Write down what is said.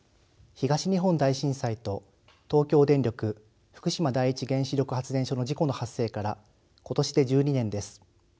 東日本大震災と東京電力福島第一原子力発電所の事故の発生から今年で１２年です。